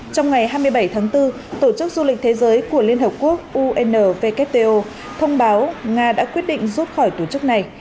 trong ngày hai mươi bảy tháng bốn tổ chức du lịch thế giới của liên hợp quốc un wto thông báo nga đã quyết định rút khỏi tổ chức này